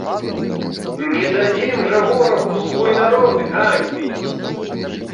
Не дадзім жа ворагу свой народ ганьбіць!